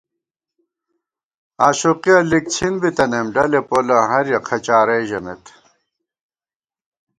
آشوقِیَہ لِکڅِھن بِتَنَئیم ، ڈلے پولہ ہَر یَک خہ چارَئے ژَمېت